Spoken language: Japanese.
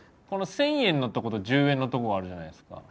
この１０００円のとこと１０円のとこあるじゃないですか。